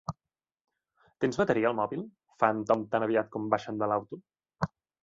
Tens bateria al mòbil? —fa el Tom tan aviat com baixen de l'auto—.